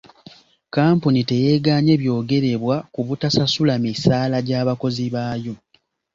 Kkampuni teyeegaanye byogerebwa ku butasasula misaala gya bakozi baayo.